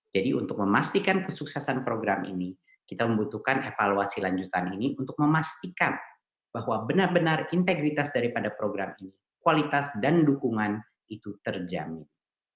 jadi untuk memastikan kesuksesan program ini kita membutuhkan evaluasi lanjutan ini untuk memastikan bahwa benar benar integritas daripada program ini kualitas dan dukungan itu terjamin